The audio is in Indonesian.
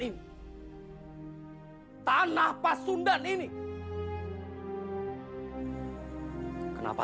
dosa deh sudah tahu kan